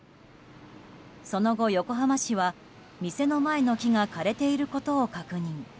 その後、横浜市は店の前の木が枯れていることを確認。